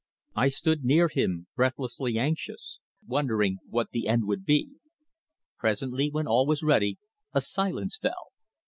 I stood near him, breathlessly anxious, wondering what the end would be. Presently, when all was ready, a silence fell.